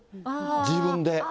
自分で。